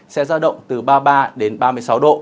sẽ ra động từ ba mươi ba đến ba mươi sáu độ